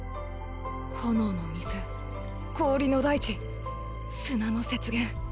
炎の水氷の大地砂の雪原。